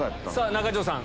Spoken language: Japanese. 中条さん